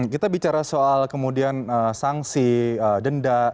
kita bicara soal kemudian sanksi denda